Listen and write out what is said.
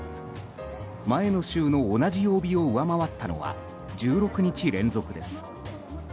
前の週の同じ曜日を上回ったのは１６日連続です。